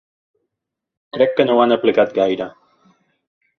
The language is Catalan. Crec que no ho han aplicat gaire.